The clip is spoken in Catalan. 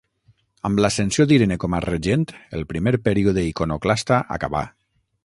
Amb l'ascensió d'Irene com a regent, el primer període iconoclasta acabà.